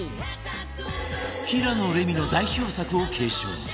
平野レミの代表作を継承